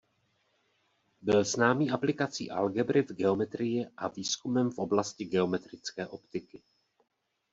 Byl známý aplikací algebry v geometrii a výzkumem v oblasti geometrické optiky.